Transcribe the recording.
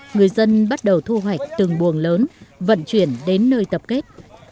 người dân bắt đầu thu hoạch từng buồng lớn vận chuyển đến nơi tập kết